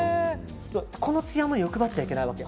このつやも欲張っちゃいけないわけ。